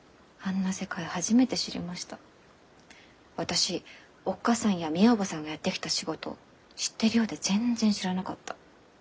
私おっ母さんやみえ叔母さんがやってきた仕事知ってるようで全然知らなかった。